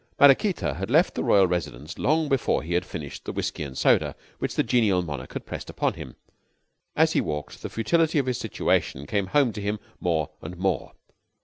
Maraquita had left the royal residence long before he had finished the whisky and soda which the genial monarch had pressed upon him. As he walked, the futility of his situation came home to him more and more.